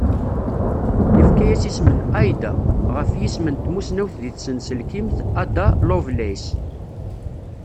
Yefka-as isem n Ai-Da, ɣef yisem n tmussnawt di tsenselkimt Ada Lovelace.